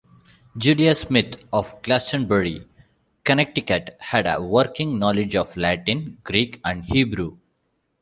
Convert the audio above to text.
Julia Smith, of Glastonbury, Connecticut had a working knowledge of Latin, Greek and Hebrew.